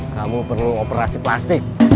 kamu perlu operasi plastik